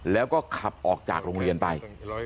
แล้วก็ขับออกจากโรงเรียนไป